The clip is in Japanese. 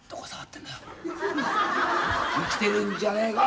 生きてるんじゃねえか？